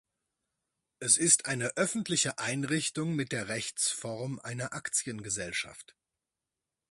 Es ist eine öffentliche Einrichtung mit der Rechtsform einer Aktiengesellschaft.